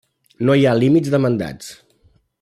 No hi ha límit de mandats.